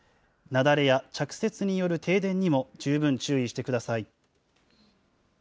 なだれや着雪による停電にも十分注意してください。